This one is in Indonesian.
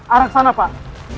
arah ke sana pak